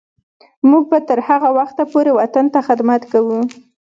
موږ به تر هغه وخته پورې وطن ته خدمت کوو.